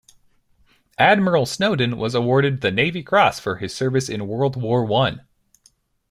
Admiral Snowden was awarded the Navy Cross for his service in World War One.